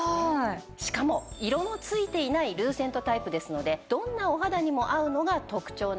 しかも色のついていないルーセントタイプですのでどんなお肌にも合うのが特長なんですね。